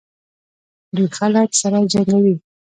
دوی خلک سره جنګوي.